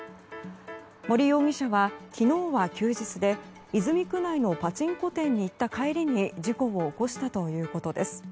森容疑者は昨日は休日で泉区内のパチンコ店に行った帰りに事故を起こしたということです。